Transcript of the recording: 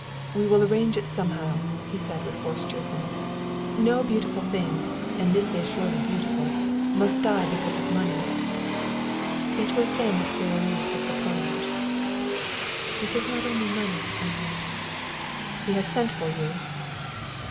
"We will arrange it somehow," he said with forced cheerfulness. "No beautiful thing and this is surely beautiful must die because of money." It was then that Sara Lee took the plunge. "It is not only money, Henri." "He has sent for you!"